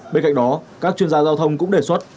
bên cạnh đó các chuyên gia giao thông cũng đề xuất